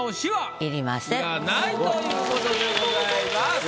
要らないという事でございます。